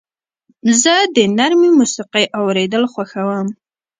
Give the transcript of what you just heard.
زه د نرمې موسیقۍ اورېدل خوښوم.